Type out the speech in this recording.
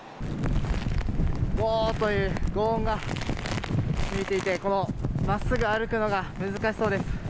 ゴーっという轟音がしていて真っすぐ歩くのが難しそうです。